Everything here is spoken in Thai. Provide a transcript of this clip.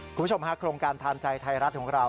คุณผู้ชมฮะโครงการทานใจไทยรัฐของเรา